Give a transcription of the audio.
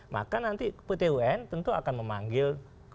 maka nanti pt un tentu akan memanggil